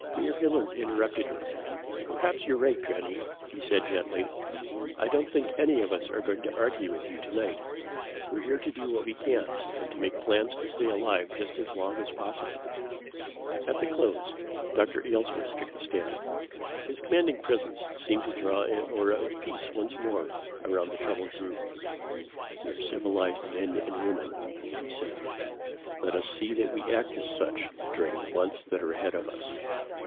Mayor Hilliard interrupted her. "Perhaps you're right, Granny," he said gently. "I don't think any of us are going to argue with you tonight. We're here to do what we can, and to make plans to stay alive just as long as possible." At the close, Dr. Aylesworth took the stand. His commanding presence seemed to draw an aura of peace once more around the troubled group. "We are civilized men and women," he said. "Let us see that we act as such during the months that are ahead of us.